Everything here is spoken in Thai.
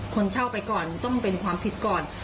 คนเช่าไปก่อนต้องเป็นความผิดก่อน